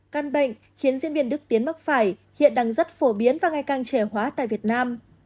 căn bệnh khiến diễn viên đức tiến mắc phải hiện đang rất phổ biến và ngày càng trẻ hóa tại việt nam